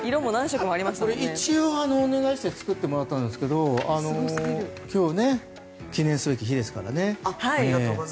一応お願いしてもらったんですが今日は記念すべき日ですからね。